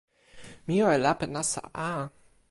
mi jo e lape nasa a.